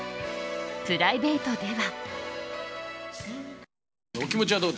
プライベートでは。